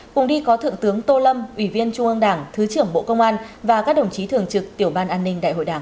cùng đi có thượng tướng tô lâm ủy viên trung ương đảng thứ trưởng bộ công an và các đồng chí thường trực tiểu ban an ninh đại hội đảng